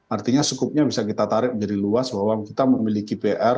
artinya cukupnya bisa kita tarik menjadi luas bahwa kita memiliki pr